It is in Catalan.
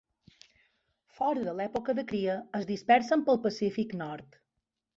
Fora de l'època de cria es dispersen pel Pacífic nord.